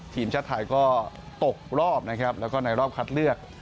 ทีมชาติไทยก็ตกรอบนะครับแล้วก็ในรอบคัดเลือก